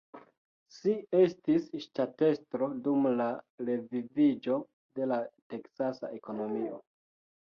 Si estis ŝtatestro dum la reviviĝo de la Teksasa ekonomio.